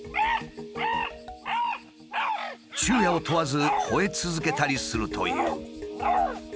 昼夜を問わずほえ続けたりするという。